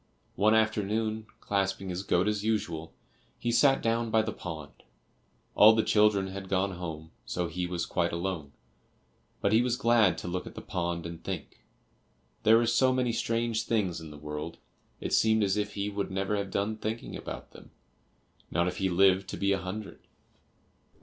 One afternoon, clasping his goat as usual, he sat down by the pond. All the children had gone home, so he was quite alone, but he was glad to look at the pond and think. There were so many strange things in the world, it seemed as if he would never have done thinking about them, not if he lived to be a hundred.